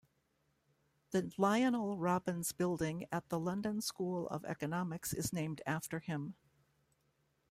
The Lionel Robbins Building at the London School of Economics is named after him.